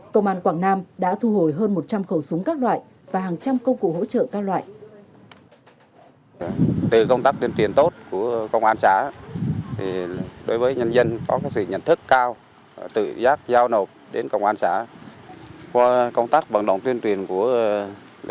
công an quảng nam đã thu hồi hơn một trăm linh khẩu súng các loại và hàng trăm công cụ hỗ trợ các loại